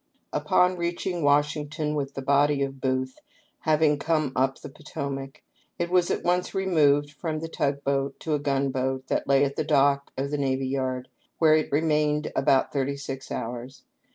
Upon reaching Washington with the body of Booth — hav ing come up the Potomac — it was at once removed from the tug boat to a gun boat that lay at the dock at the Navy Yard, where it remained about thirty six hours.